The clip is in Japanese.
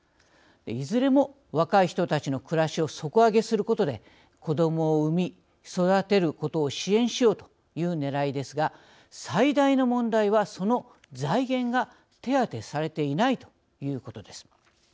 いずれも若い人たちの暮らしを底上げすることで子どもを産み育てることを支援しようというねらいですが最大の問題はその財源が手当されていないということです。